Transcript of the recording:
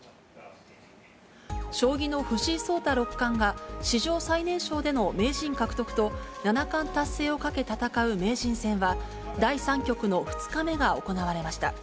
将棋の藤井聡太六冠が、史上最年少での名人獲得と、七冠達成をかけ戦う名人戦は、第３局の２日目が行われました。